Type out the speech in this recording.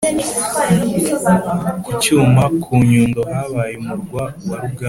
Ku cyuma: ku Nyundo, habaye umurwa wa Ruganzu.